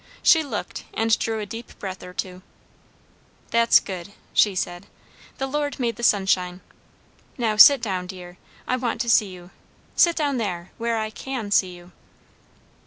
She looked, and drew a deep breath or two. "That's good!" she said. "The Lord made the sunshine. Now sit down, dear; I want to see you. Sit down there, where I can see you."